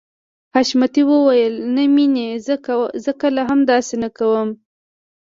حشمتي وويل نه مينې زه کله هم داسې نه کوم.